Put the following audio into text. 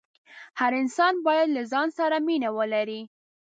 هر انسان باید له ځان سره مینه ولري.